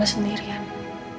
aku juga mau ke kuburan papa